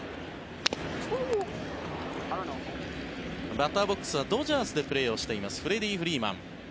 バッターボックスはドジャースでプレーしていますフレディ・フリーマン。